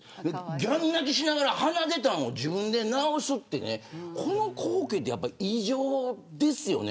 ギャン泣きしながらはなが出たのを自分で直すってこの光景って異常ですよね。